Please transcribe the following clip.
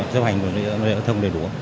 giúp hành giao thông đầy đủ